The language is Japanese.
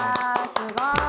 すごい。